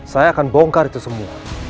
saya akan bongkar itu semua